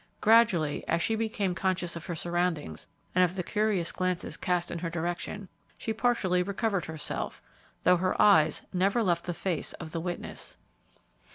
Gradually, as she became conscious of her surroundings and of the curious glances cast in her direction, she partially recovered herself, though her eyes never left the face of the witness.